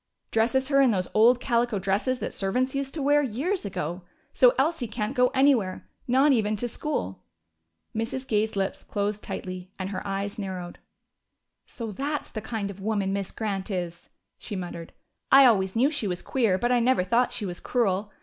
Dresses her in those old calico dresses that servants used to wear years ago. So Elsie can't go anywhere, not even to school." Mrs. Gay's lips closed tightly, and her eyes narrowed. "So that's the kind of woman Miss Grant is!" she muttered. "I always knew she was queer, but I never thought she was cruel....